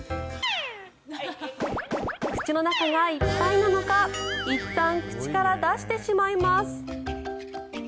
口の中がいっぱいなのかいったん口から出してしまいます。